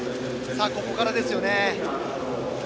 ここからですよね。